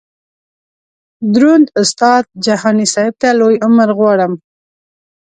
دروند استاد جهاني صیب ته لوی عمر غواړم.